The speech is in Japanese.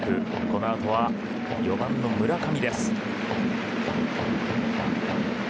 この後は４番の村上です。